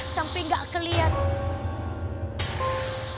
sampai gak kelihatan